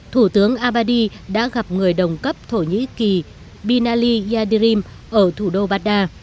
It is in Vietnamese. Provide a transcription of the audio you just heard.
thủ tướng abadi đã gặp người đồng cấp thổ nhĩ kỳ binali yadirim ở thủ đô baghdad